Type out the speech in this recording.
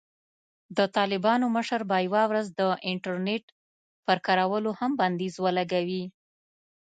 د طالبانو مشر به یوه ورځ د "انټرنېټ" پر کارولو هم بندیز ولګوي.